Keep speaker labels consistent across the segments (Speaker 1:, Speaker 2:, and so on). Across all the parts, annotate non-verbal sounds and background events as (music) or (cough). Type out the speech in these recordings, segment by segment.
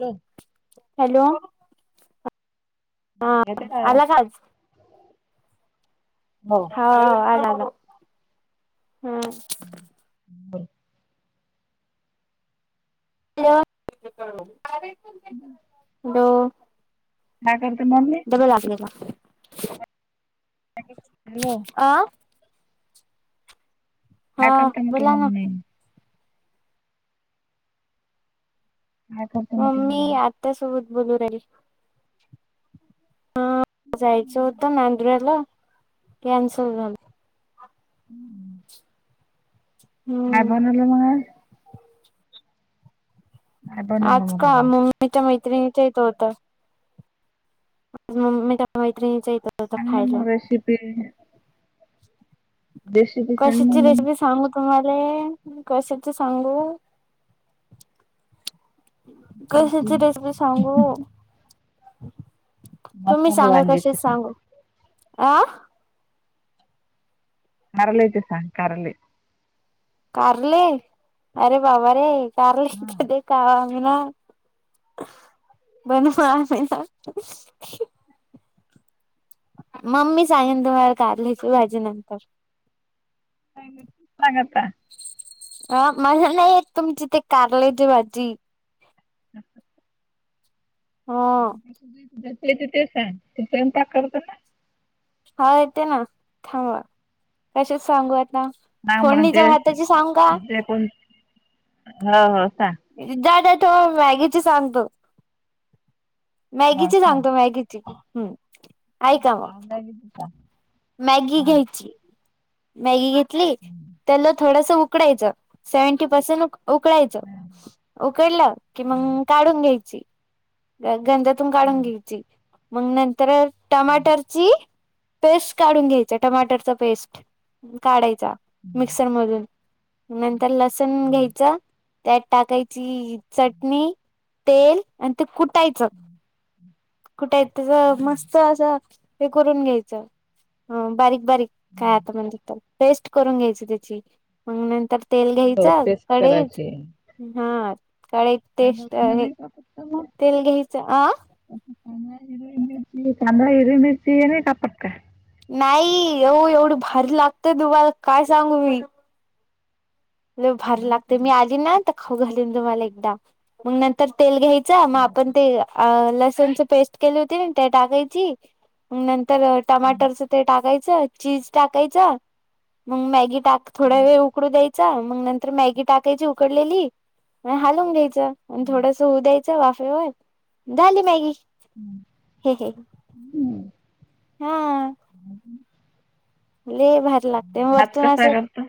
Speaker 1: Hello
Speaker 2: hello. हा
Speaker 1: येते का आवाज
Speaker 2: आला काच.
Speaker 1: हो
Speaker 2: हा आला आला हम्.
Speaker 1: बर.
Speaker 2: हॅलो.
Speaker 1: हम्.
Speaker 2: ब
Speaker 1: नाही करते मम्मी.
Speaker 2: ब लागले का?
Speaker 1: हॅलो.
Speaker 2: अ हा
Speaker 1: काय करते म्हटलं
Speaker 2: बोला ना.
Speaker 1: मम्मी काय करते म्हटलं
Speaker 2: ममी
Speaker 1: मम्मी
Speaker 2: आतास सुवत बोलू राहिली. अ जायचं होत आंध्रया ला कॅनसल झालं.
Speaker 1: हम्म. नाहीय
Speaker 2: हम्म
Speaker 1: बनलं मग. काय बनवलं
Speaker 2: आज का
Speaker 1: म्हटलं
Speaker 2: मम्मीच्या मैत्रिणीच इ त होतं. मम्मी का मैत्रीिणीच्या इथं. होतं
Speaker 1: हंग नम
Speaker 2: खायला
Speaker 1: रेसिपी. देश.
Speaker 2: कशाची रेसिपी सांग. तुम्हाले मी कसेच सांगू.
Speaker 1: तुमची.
Speaker 2: कशाची रेसिपी सांगू. तुम्ही
Speaker 1: मसाले
Speaker 2: सांगा
Speaker 1: वांग्याची
Speaker 2: कसेच
Speaker 1: सांग
Speaker 2: सांगू आ.
Speaker 1: करलेेत सांग कराली.
Speaker 2: कारले अरे बाबा रे कारले
Speaker 1: हा
Speaker 2: क कावाम ना बनवावाम ना. मम्मी सांगेन दु वळ काढलीची भाजी नंतर
Speaker 1: सांगता का?
Speaker 2: अ मला नाही तुम्चीिथ कारलेचीे भाजी.
Speaker 1: ह ह.
Speaker 2: हो.
Speaker 1: जेत ते सांग ते सन पाक करत ना.
Speaker 2: हा येते ना थांबवा कसेच सांगू आता. फोडणीच्या भाताची सांगा.
Speaker 1: त्या पण हा हो का.
Speaker 2: जा जा तो मॅगीची सांगतो.
Speaker 1: हो
Speaker 2: मॅगीची
Speaker 1: सांग
Speaker 2: सांगतो मॅगीची हम्म ऐका मग
Speaker 1: हा.
Speaker 2: मॅगी घ्यायची मॅगी घेतली त्याला थोडस उक उकडायचं सेव्हंटी पर्सेंट उक उकळायचं उकडलं कि मंग काढून घ्यायची. ग गंधातून काढून घ्यायची मग नंतर
Speaker 1: हो
Speaker 2: टमाटरची पेस्ट. काढून घ्यायचं टमाटरचा पेस्ट काढाय मिक्सर मधून नंतर लसण घ्यायचा. त्यात टाकायची चटणी, तेल आणि ते कुट कुठायचं कुठाय त्याच मस्त असं हे करून घ्यायचं. अ बारीक बारीक काय आता म्हणतेत त्याला पेस्ट करून घ्यायची त्याची. मग नंतर तेल घ्यायचं
Speaker 1: पेस्ट
Speaker 2: कढईच
Speaker 1: करायची.
Speaker 2: हा कढईत.
Speaker 1: का
Speaker 2: टेस्ट हे
Speaker 1: नाही का (unintelligible)
Speaker 2: तेल घ्यायचं आ.
Speaker 1: असं कांदा हिरवी मिरची कांदा हिरवी मिरची हे नाई कापत का?
Speaker 2: नाही येऊ एवढं भारी लागतय तुम्हाला काय सांगू मी. लई भारी लागते मी आली ना तर खाऊ घालीन तुम्हाला एकदा मग नंतर तेल घ्याय च मग आपण ते. अ लसणच पेस्ट केली होती ना त्या टाकायची अ नंतर टमाटरचं ते टाकायचं चीज टाकायचं मग मॅगी टाक थोड्या वेळ उकडू द्याय च मग नंतर मॅगी टाकायची उकडलेली म हालवून घ्यायचं आण थोडस होऊ द्याय च वाफेवर झाली मॅगी.
Speaker 1: हम्म.
Speaker 2: हे घे.
Speaker 1: हम्म.
Speaker 2: हा. लई भारी लागते अ
Speaker 1: भात
Speaker 2: वरतून
Speaker 1: कसा
Speaker 2: असं
Speaker 1: करता?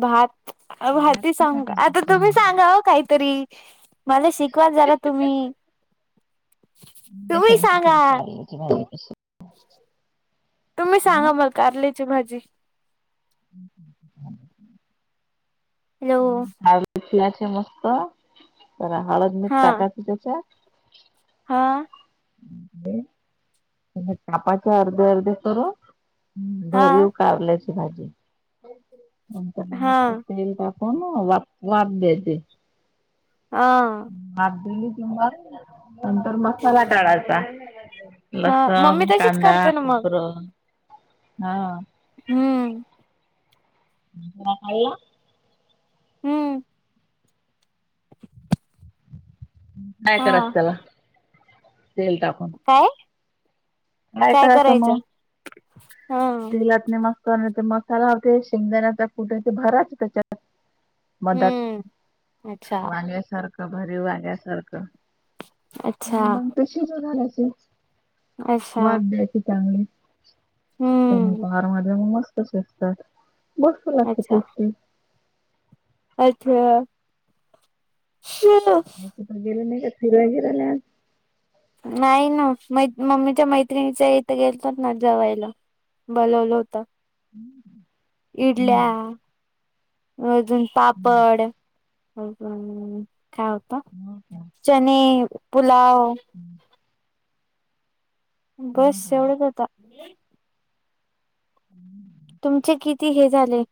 Speaker 2: भात
Speaker 1: भात
Speaker 2: भाती
Speaker 1: कसा
Speaker 2: सांग
Speaker 1: करतात?
Speaker 2: आता तुम्ही सांगा अ काहीतरी. मला शिकवाल जरा तुम्ही तुम्ही सांगा.
Speaker 1: तिमा वापस.
Speaker 2: तुम्ही
Speaker 1: मग
Speaker 2: सांगा मला कारल्याची भाजी. हॅलो
Speaker 1: ला उ लाचे मस्त. जरा हळद, मीट
Speaker 2: हा
Speaker 1: टाकायचे त्याच्यात.
Speaker 2: हा.
Speaker 1: कापाचे अर्धे अर्धे करून. हम्म
Speaker 2: हा
Speaker 1: भरीव कारल्याची भाजी नंतर म
Speaker 2: हा
Speaker 1: तेल टाक आ म वाफ वाफ द्यायचे.
Speaker 2: हा
Speaker 1: माप भली किंवा नंतर मसाला टाळायचा.
Speaker 2: हा
Speaker 1: लसण
Speaker 2: मम्मी तशीच
Speaker 1: कांदा
Speaker 2: करते ना मग
Speaker 1: खोबर हा.
Speaker 2: हम्म.
Speaker 1: (unintelligible)
Speaker 2: हम्म.
Speaker 1: फ्राय
Speaker 2: हा
Speaker 1: करायचंय त्याला तेल टाकून
Speaker 2: काय काय करायचं हा.
Speaker 1: लाटणे मस करायचे नाहीतर मसाला होते शेंगदाण्याचा कुटयं ते भरायच त्याच्यात. मदात
Speaker 2: हम्म अच्छा
Speaker 1: वांग्यासारखं भरीव वांग्यासारखं.
Speaker 2: अच्छा.
Speaker 1: कशी ग (unintelligible)
Speaker 2: अच्छा
Speaker 1: वाद द्यायचे चांगले त्या
Speaker 2: हम्म
Speaker 1: उपहार मध्ये मग मस्त शिजत, मस्त लागते
Speaker 2: अच्छा
Speaker 1: टेस्टी.
Speaker 2: अच्छा (unintelligible)
Speaker 1: कुठे गेलं नाही का, फिराय गेले नाही आज?
Speaker 2: नाही ना म-मम्मीच्या मैत्रिणीच्या इथे गेलतत ना जेवायला. बोलवलं होतं.
Speaker 1: हम्म.
Speaker 2: इडल्या अजून
Speaker 1: हम्म.
Speaker 2: पापड. हो का, मग काय होतं?
Speaker 1: हो का?
Speaker 2: चने, पुलाव.
Speaker 1: हम्म. हो
Speaker 2: बस
Speaker 1: का
Speaker 2: एवढंच होता.
Speaker 1: हम्म.
Speaker 2: तुमचे किती हे झाले?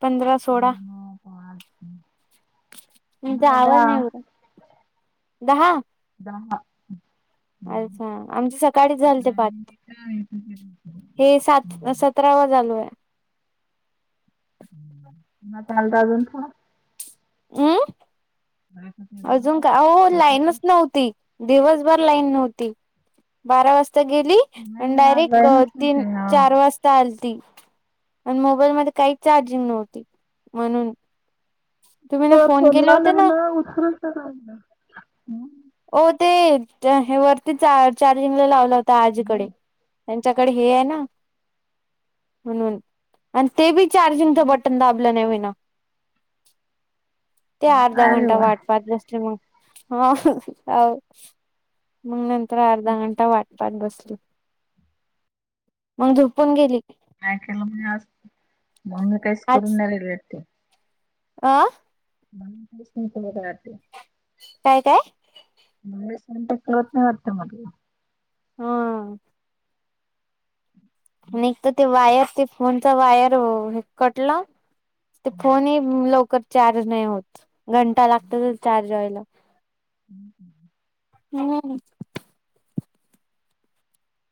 Speaker 2: पंधरा सोळा,
Speaker 1: आणि मग आज
Speaker 2: तुमचा आवाज नाही येऊ (unintelligible) दहा?
Speaker 1: दहा. हम्म.
Speaker 2: अच्छा आमच्या सकाळीच झालते पाच.
Speaker 1: आणि काय तुझे
Speaker 2: हे सात सत रावा चालू आहे.
Speaker 1: (unintelligible)
Speaker 2: अं?
Speaker 1: नाही
Speaker 2: अजून का, अहो लाईनच नव्हती. दिवसभर लाईन नव्हती. बारा वाजता गेली आणि
Speaker 1: ना आज
Speaker 2: डायरेक्ट
Speaker 1: जाय नसतील
Speaker 2: तीन
Speaker 1: ते हा
Speaker 2: चार वाज चालती आणि मोबाईलमध्ये काही चार्जिंग नव्हती म्हणून. तुम्ही ना
Speaker 1: (unintelligible) फोन
Speaker 2: केले होते ना
Speaker 1: नाही (unintelligible)
Speaker 2: हो ते हे वरती चार-चार्जिंगला लावला होता आजीकडे.
Speaker 1: नाही
Speaker 2: त्यांच्याकडे हे आहे ना म्हणून आणि ते बी चार्जिंगच बटन दाब (unintelligible) ते अर्धा
Speaker 1: अरे
Speaker 2: घंटा
Speaker 1: वा
Speaker 2: वाट पहात बस (unintelligible) अहो मग नंतर अर्ध घंटा वाट पहात बसली, मग झोपून गेली.
Speaker 1: ऐकायला नाही आज, मग काहीच करून नाही राहिले वाटते.
Speaker 2: आं?
Speaker 1: मला वाटले (unintelligible) वाटते.
Speaker 2: काय काय?
Speaker 1: (unintelligible) कळत नाही वाटत मग
Speaker 2: हा. आणि एक तर ते वायर ते फोनचा वायर ओ कटला. ते
Speaker 1: हम्म.
Speaker 2: फोन एक लवकर चार्ज नाही होतं. घंटा लागत तेला चार्ज व्हायला.
Speaker 1: (unintelligible)
Speaker 2: हम्म.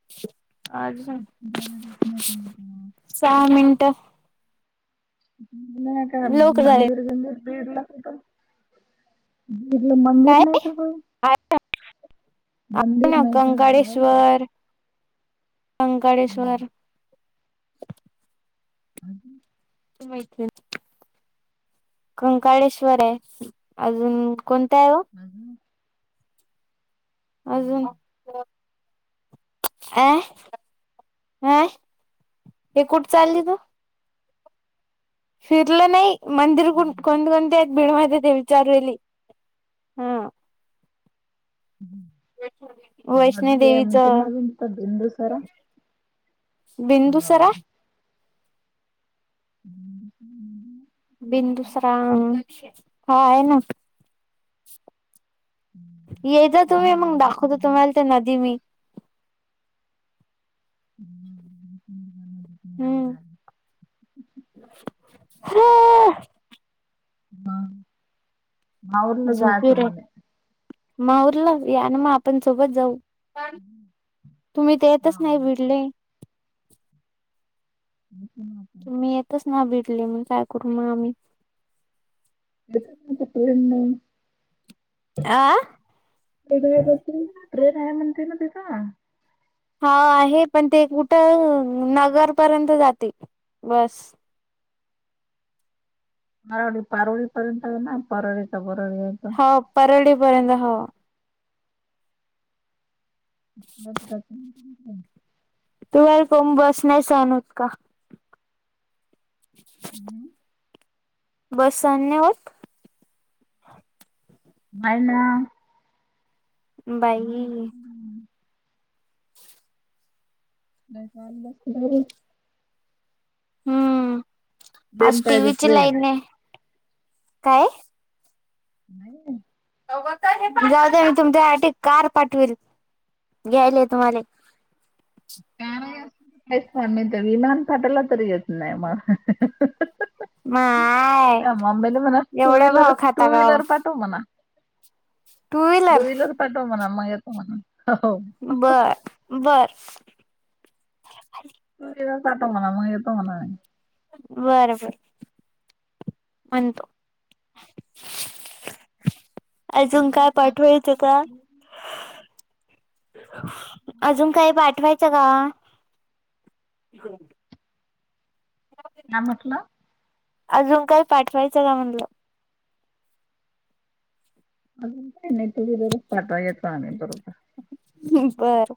Speaker 2: (inaudible) अजून
Speaker 1: (unintelligible)
Speaker 2: सहा मिनटं
Speaker 1: नाही काय
Speaker 2: लोक झाले
Speaker 1: मंदिर बिंदिर बीडला कुठं? तिकडं मंदिर
Speaker 2: काय?
Speaker 1: नाही का गं?
Speaker 2: आहे
Speaker 1: मंदिर
Speaker 2: ना
Speaker 1: नाही का, आहे का? हम्म.
Speaker 2: व्यंकटेश्वर
Speaker 1: (unintelligible)
Speaker 2: माहिती कंकाळेश्वर आहे अजून कोणत आहे ओ
Speaker 1: हम्म
Speaker 2: अजून अ, अ हे कुठे चालली तू फिरलं नाही मंदिर कोण
Speaker 1: हम्म.
Speaker 2: कोणते आहेत बीड म दे चारवेली हा
Speaker 1: मध्ये
Speaker 2: वैष्णोदेवीच
Speaker 1: म्हणज नाज बिंदुसरा
Speaker 2: बिंदुसरा
Speaker 1: हो. हम् ह्
Speaker 2: बिदुसरा हा आहे ना
Speaker 1: हम्म.
Speaker 2: येता तुम्ही मग दाखवता
Speaker 1: हम्म.
Speaker 2: तुम्हाला ते नदी मी
Speaker 1: हम्
Speaker 2: हम्म
Speaker 1: बघ
Speaker 2: झोपी रे
Speaker 1: म्हणे.
Speaker 2: म आवरल या ना मग आपण सोबत जाऊ प तुम्ही
Speaker 1: हा.
Speaker 2: तेेतच नाही विडले
Speaker 1: (unintelligible)
Speaker 2: मी येतच ना बिडले मग काय करू मग आम्ही
Speaker 1: (unintelligible)
Speaker 2: आ
Speaker 1: वेगवेगळ प्रेन आहे म्हणते ना तिचा
Speaker 2: हा आहे पण ते कुठं नगरपर्यंत जाते बस
Speaker 1: परवळी परवळी पर्यंत ना परळीचा
Speaker 2: हो परारडी पर्यंत हो
Speaker 1: मग तिथं हम्म.
Speaker 2: तुम्हाला कोम बस नाही सहन होत का बस आली होत
Speaker 1: हाय ना
Speaker 2: बाई
Speaker 1: (unintelligible)
Speaker 2: हम्म आज
Speaker 1: ट्रेन पाहिजे
Speaker 2: टीव्हीची
Speaker 1: ट्रेन.
Speaker 2: लाईन नाही काय
Speaker 1: नाही
Speaker 2: जाऊ दे मी तुमच्यासाठी कार पाठवेल घ्यायले तुम्हाला
Speaker 1: च म तर विमान पाठवलं तरी येत नाही मग
Speaker 2: माय
Speaker 1: आ आमेल मना टू
Speaker 2: एवढा
Speaker 1: व्हीलर,
Speaker 2: भाव खाता
Speaker 1: टू
Speaker 2: का ओ
Speaker 1: व्हीलर पाठव मना टू व्हीलर पाठव म्हणा मग येतो म्हणून हो
Speaker 2: बर, बर
Speaker 1: त जात म्हणा मग येतो म्हणा नाही
Speaker 2: बर, बर म्हणतो अजून काय पाठवेल
Speaker 1: (unintelligible)
Speaker 2: अजून काही पाठवायचं का?
Speaker 1: काय म्हटलं
Speaker 2: अजून काय पाठवायचं का म्हणलं
Speaker 1: अ तुझरोब पाठ येत आम बरोबर
Speaker 2: बरं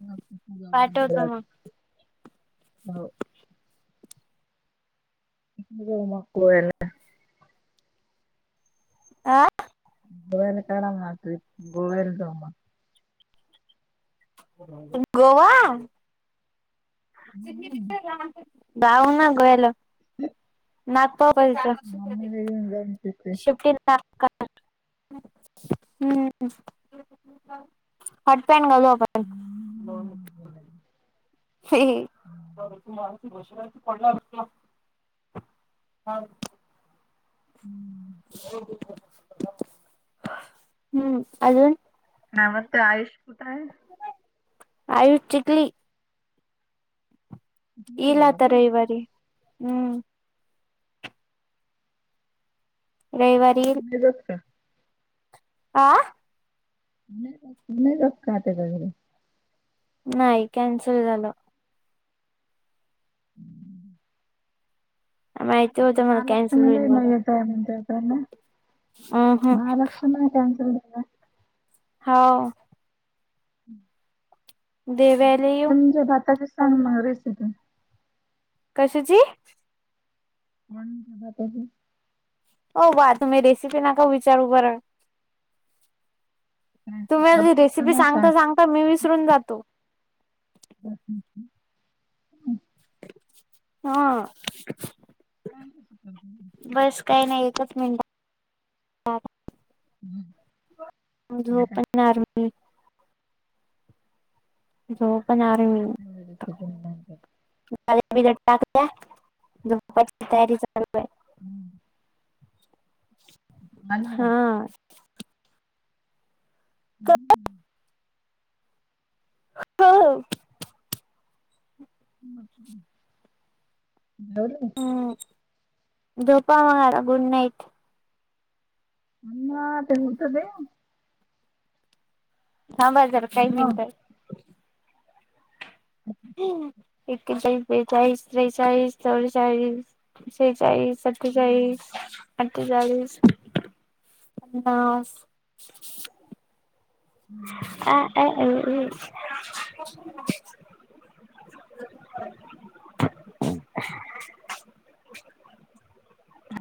Speaker 1: ह
Speaker 2: पाठवतो मग
Speaker 1: हो मक्ळूला
Speaker 2: आं.
Speaker 1: गवाला काढ मात गवाल तो
Speaker 2: तुम गोवा.
Speaker 1: हम्म.
Speaker 2: गाव ना गेलो.
Speaker 1: हम.
Speaker 2: नागपावलते
Speaker 1: जाऊन तिथे
Speaker 2: शिप्टीला. हा काय हंम्म हं म ते हाफ पॅन्ट घालू आपण. हे हे.
Speaker 1: हम्म.
Speaker 2: हम्म अजून.
Speaker 1: हा मग ते आयुष कुठंय?
Speaker 2: आयुष चिकली. इल आता रविवारी हम्म. रविवार.
Speaker 1: माहित असतयं.
Speaker 2: आं.
Speaker 1: नाही जात नाही जात का त्यज्याकडं.
Speaker 2: नाही कॅन्सल झालं.
Speaker 1: हम्म.
Speaker 2: माहिती होतं मला कॅन्सल
Speaker 1: महालक्ष्मीला
Speaker 2: होईल
Speaker 1: येना
Speaker 2: म्हणून.
Speaker 1: ये. पेमेंट जाताना
Speaker 2: अं हं
Speaker 1: माझा लक्ष नाही कॅन्सल झाला.
Speaker 2: हाव.
Speaker 1: आता ते
Speaker 2: देवाला येऊ
Speaker 1: म्हणजे भाताचे सांग मग रेसिपी.
Speaker 2: कशाची.
Speaker 1: कोणाचे भाताले.
Speaker 2: ओ बा तुम्ही रेसिपी नका विचारू बर.
Speaker 1: काय
Speaker 2: तुम्ही आधी
Speaker 1: करत
Speaker 2: रेसिपी
Speaker 1: असताना सांग
Speaker 2: सांगता सांगता मी विसरून जातो.
Speaker 1: ह ह ह.
Speaker 2: हा.
Speaker 1: काय करते स
Speaker 2: काही नाही एकचं मिनट.
Speaker 1: हम्म. आता
Speaker 2: झोपणार मी. जो पण आरू
Speaker 1: हम्म हम लगेच तेथून माणज्यात.
Speaker 2: पाण्यात बिण्यात टाकल्या आता पप्पाची तयारी चालू आहे.
Speaker 1: हम्म. आलं का?
Speaker 2: हा.
Speaker 1: हम्म.
Speaker 2: हो.
Speaker 1: लावले.
Speaker 2: हम्म झोपा मग आता गुड नाईट.
Speaker 1: थांबना ते होवू तर दे.
Speaker 2: थांबा जरा काही
Speaker 1: हॅलो.
Speaker 2: मिनटये.
Speaker 1: अ ह.
Speaker 2: एकेचाळीस बेचाळीस त्रेचाळीस चव्वेचाळीस शेचाळीस.
Speaker 1: हम्म.
Speaker 2: सत्तेचाळीस. अठ्ठेचाळीस पन्नास.
Speaker 1: हम्म.
Speaker 2: ऍ ऍ ओ ओ.